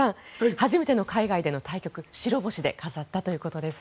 初めての海外での対局白星で飾ったということです。